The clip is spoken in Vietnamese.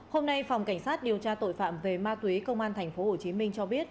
hôm nay phòng cảnh sát điều tra tội phạm về ma túy công an tp hcm cho biết